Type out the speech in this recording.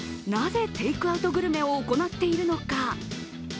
なぜテイクアウトグルメを行っているのか。